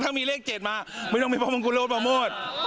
ถ้ามีเรขเจ็ดมาไม่ต้องเป็นป๊อปปองกุลและโอ๊ตปาโมด